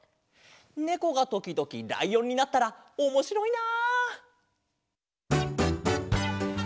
ねこがときどきらいおんになったらおもしろいな！